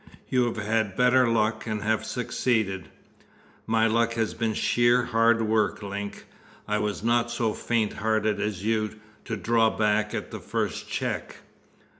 "You have had better luck and have succeeded." "My luck has been sheer hard work, Link. I was not so faint hearted as you, to draw back at the first check."